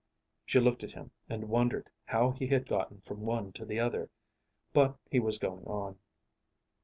She looked at him and wondered how he had gotten from one to the other. But he was going on.